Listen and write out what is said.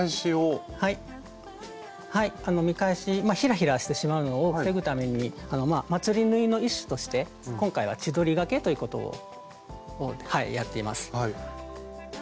まあひらひらしてしまうのを防ぐためにまつり縫いの一種として今回は千鳥がけということをやっています。